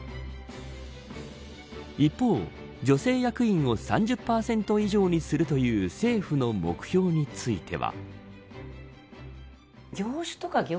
一方、女性役員を３０％以上にするという政府の目標については。